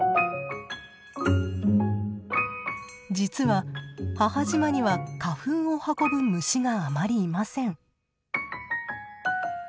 実は母島には花粉を運ぶ虫があまりいません。